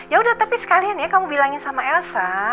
yaudah tapi sekalian ya kamu bilangin sama elsa